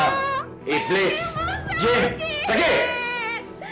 serta iblis jin saking